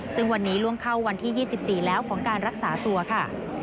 ซึ่งวันนี้ล่วงเข้าวันที่๒๔แล้วของการรักษาตัวค่ะ